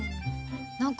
何か。